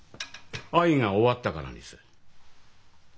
愛が終わったからです。